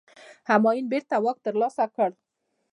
همایون بیرته واک ترلاسه کړ.